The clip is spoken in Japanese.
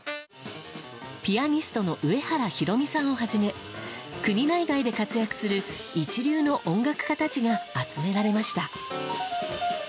ピアニストの上原ひろみさんをはじめ国内外で活躍する一流の音楽家たちが集められました。